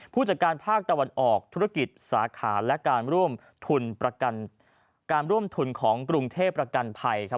ผู้จัดการภาคตะวันออกธุรกิจสาขาและการร่วมทุนของกรุงเทพฯประกันภัยครับ